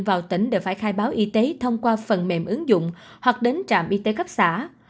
vào tỉnh đều phải khai báo y tế thông qua phần mềm ứng dụng hoặc đến trạm y tế các xã